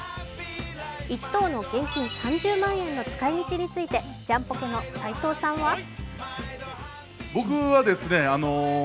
１等の現金３０万円の使い道についてジャンポケの斉藤さんは